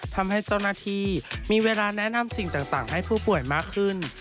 ทำให้เจ้าหน้าที่มีเวลาแนะนำสิ่งต่างให้ผู้ป่วยมากขึ้น